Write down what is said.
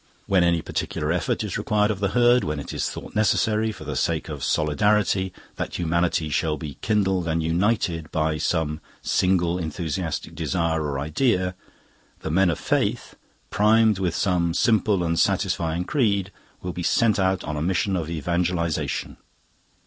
When any particular effort is required of the Herd, when it is thought necessary, for the sake of solidarity, that humanity shall be kindled and united by some single enthusiastic desire or idea, the Men of Faith, primed with some simple and satisfying creed, will be sent out on a mission of evangelisation.